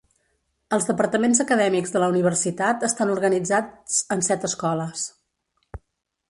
Els departaments acadèmics de la universitat estan organitzats en set escoles.